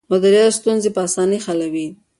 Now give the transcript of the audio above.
مديريت ستونزې په اسانه حلوي.